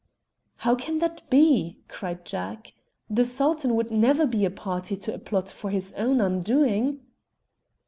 "How can that be?" cried Jack. "The Sultan would never be a party to a plot for his own undoing."